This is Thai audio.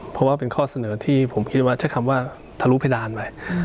เพราะว่าเป็นข้อเสนอที่ผมคิดว่าใช้คำว่าทะลุเพดานไป